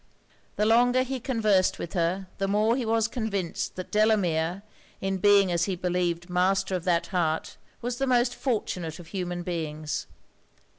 The longer he conversed with her, the more he was convinced that Delamere, in being as he believed master of that heart, was the most fortunate of human beings.